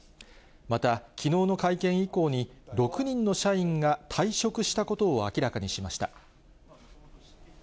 また、きのうの会見以降に、６人の社員が退職したことを明らかにしました。